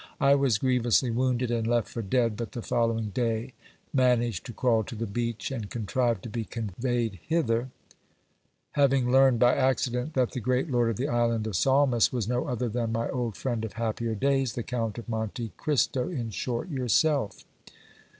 I was grievously wounded and left for dead, but the following day managed to crawl to the beach and contrived to be conveyed hither, having learned by accident that the great lord of the Island of Salmis was no other than my old friend of happier days, the Count of Monte Cristo, in short, yourself.